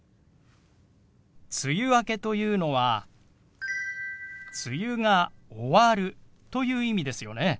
「梅雨明け」というのは「梅雨が終わる」という意味ですよね。